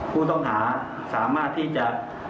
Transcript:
ผู้ต้องหาสามารถที่จะ